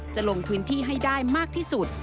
จะลงพื้นที่ให้ได้มากที่สุด